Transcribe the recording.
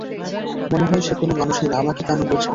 মনে হয় সে কোনো মানুষই না-- আমাকে কেন বলছো।